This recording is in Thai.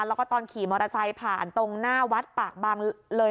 แล้วก็ตอนขี่มอเตอร์ไซค์ผ่านตรงหน้าวัดปากบังเลย